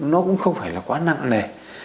nó cũng không phải là quá nặng này